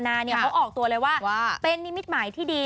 เขาออกตัวเลยว่าเป็นนิมิตหมายที่ดี